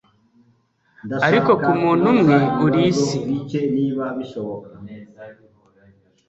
ariko ku muntu umwe uri isi